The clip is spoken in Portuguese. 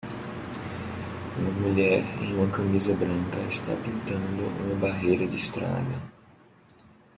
Uma mulher em uma camisa branca está pintando uma barreira de estrada.